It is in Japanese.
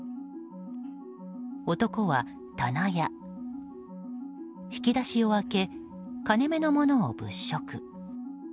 男は、棚や引き出しを開け金目のものを物色。